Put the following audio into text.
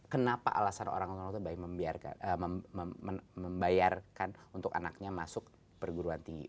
kenapa alasan orang orang itu baik membayarkan untuk anaknya masuk perguruan tinggi